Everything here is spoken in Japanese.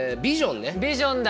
ビジョンだ。